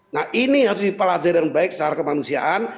nah ini harus dipelajari yang baik secara kemanusiaan